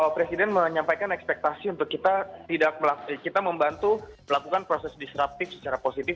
presiden menyampaikan ekspektasi untuk kita tidak melakukan kita membantu melakukan proses disruptif secara positif